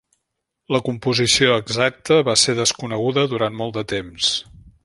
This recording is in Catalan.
La composició exacta va ser desconeguda durant molt de temps.